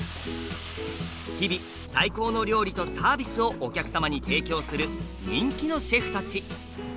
日々最高の料理とサービスをお客様に提供する人気のシェフたち。